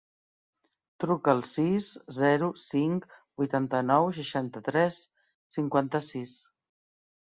Truca al sis, zero, cinc, vuitanta-nou, seixanta-tres, cinquanta-sis.